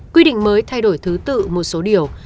quy định mới thay đổi thứ tự một số điều